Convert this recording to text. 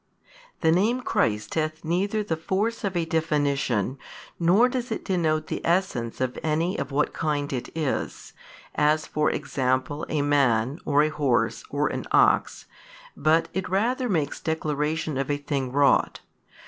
The name Christ hath neither the force of a definition, nor does it denote the essence of any of what kind it is, as for example a man or a horse or an ox, but it rather makes declaration of a thing wrought.